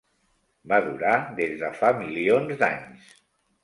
Va durar des de fa milions d'anys.